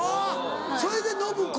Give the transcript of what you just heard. それで暢子。